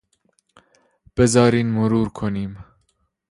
بذارین مرور کنیم.